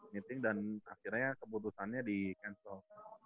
meeting dan akhirnya keputusannya di cancel